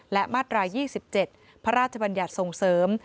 และมาตรา๒๗พระราชบัญญัติส่งเสริม